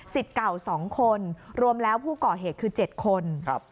เก่า๒คนรวมแล้วผู้ก่อเหตุคือ๗คน